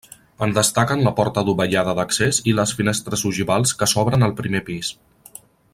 En destaquen la porta dovellada d'accés i les finestres ogivals que s'obren al primer pis.